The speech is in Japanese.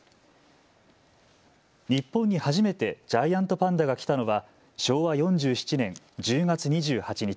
日本に初めてジャイアントパンダが来たのは昭和４７年１０月２８日。